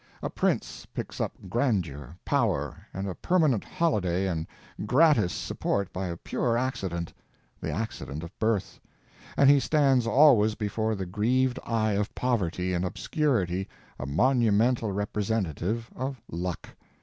A prince picks up grandeur, power, and a permanent holiday and gratis support by a pure accident, the accident of birth, and he stands always before the grieved eye of poverty and obscurity a monumental representative of luck.